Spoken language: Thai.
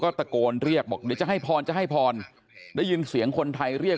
ตะโกนเรียกบอกเดี๋ยวจะให้พรจะให้พรได้ยินเสียงคนไทยเรียก